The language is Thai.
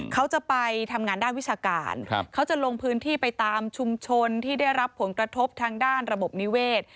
เขาจะไปทำงานด้านวิชาการเขาจะลงพื้นที่ไปตามชุมชนที่ได้รับผลกระทบทางด้านระบบนิเวศ